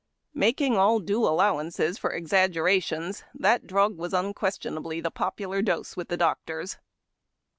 Making all due allowances for exaggera tions, that drug was unquestionably the popular dose with the doctors.